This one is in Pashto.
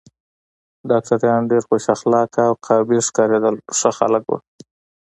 ډاکټران ډېر خوش اخلاقه او قابل ښکارېدل، ښه خلک و.